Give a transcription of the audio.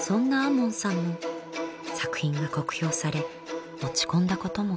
門さんも作品が酷評され落ち込んだことも。